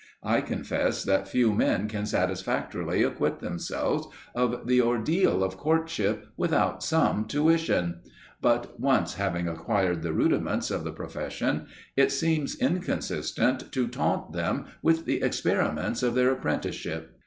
I confess that few men can satisfactorily acquit themselves of the ordeal of courtship without some tuition, but, once having acquired the rudiments of the profession, it seems inconsistent to taunt them with the experiments of their apprenticeship.